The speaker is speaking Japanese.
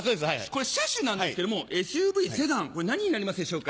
これ車種なんですけどもＳＵＶセダンこれ何になりますでしょうか？